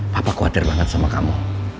papa khawatir banget sama kamu